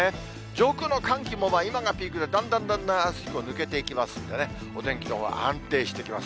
上空の寒気も今がピークで、だんだんだんだんあす以降、抜けていきますんでね、お天気のほうは安定してきます。